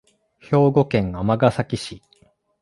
兵庫県尼崎市